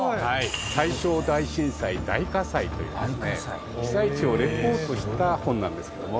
『大正大震災大火災』といいますね被災地をリポートした本なんですけども。